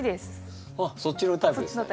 あっそっちのタイプですね。